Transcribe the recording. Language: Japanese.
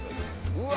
うわ！